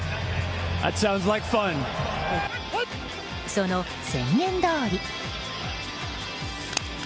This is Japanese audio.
その宣言どおり。